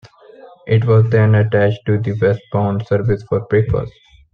It was then attached to the westbound service for breakfast.